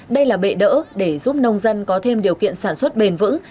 đây là bệ đỡ để giúp nông dân có thêm điều kiện sản xuất bền vững